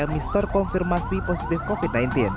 yang mister konfirmasi positif covid sembilan belas